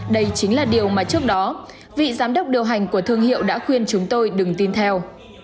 đây chính là điều mà trước đó vị giám đốc điều hành của thương hiệu đã khuyên chúng tôi đừng tin theo